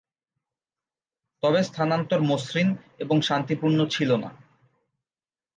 তবে স্থানান্তর মসৃণ এবং শান্তিপূর্ণ ছিল না।